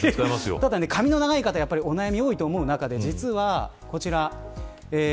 髪の長い方お悩み多いという中で実はこちら。